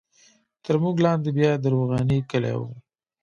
تر موږ لاندې بیا د روغاني کلی وو.